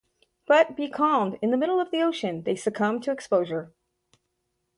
But becalmed in the middle of the ocean, they succumb to exposure.